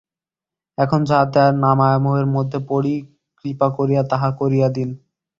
এখন যাহাতে আর না মায়ামোহের মধ্যে পড়ি, কৃপা করিয়া তাহা করিয়া দিন।